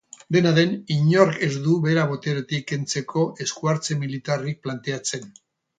Dena den, inork ez du bera boteretik kentzeko esku-hartze militarrik planteatzen.